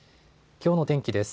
きょうの天気です。